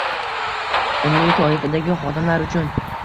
umumiy toifadagi xodimlar uchun